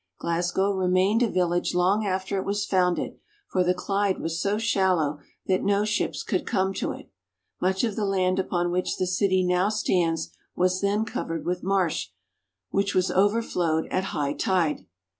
Glasgow remained a village long after it was founded, for the Clyde was so shallow that no ships could come to it. Much of the land upon which the city now stands was then covered with marsh, which was over flowed at high tide.